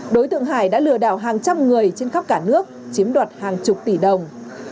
đối tượng hải đã lừa đảo hàng trăm người trên khắp cả nước chiếm đoạt hàng chục tỷ đồng